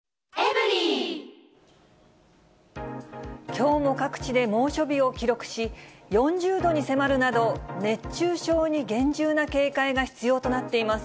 きょうも各地で猛暑日を記録し、４０度に迫るなど、熱中症に厳重な警戒が必要となっています。